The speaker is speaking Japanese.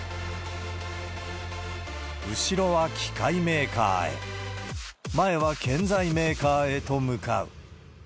後ろは機械メーカーへ、前は建材メーカーへと向かう。